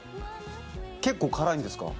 結構辛いんですか？